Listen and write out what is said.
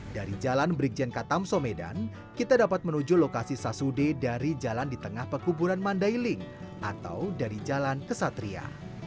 dari jalan brigjen katamso medan kita dapat menuju lokasi sasude dari jalan di tengah pekuburan mandailing atau dari jalan kesatria